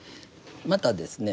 またですね